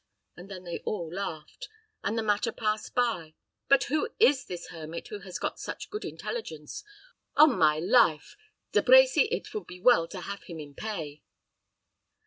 and then they all laughed, and the matter passed by. But who is this hermit who has got such good intelligence? On my life! De Brecy, it would be well to have him in pay."